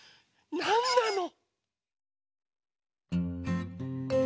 なんなの？